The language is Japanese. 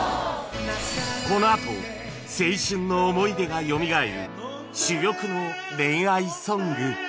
このあと青春の思い出がよみがえる珠玉の恋愛ソング